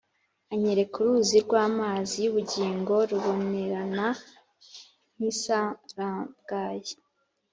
Anyereka uruzi rw’amazi y’ubugingo rubonerana nk’isarabwayi,